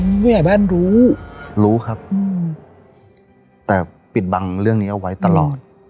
ผู้ใหญ่บ้านรู้รู้ครับอืมแต่ปิดบังเรื่องนี้เอาไว้ตลอด